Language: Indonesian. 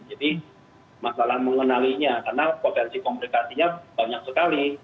jadi masalah mengenalinya karena potensi komplikasinya banyak sekali